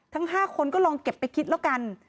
ทั้ง๕คนก็ลองเก็บไปคิดแล้วกัน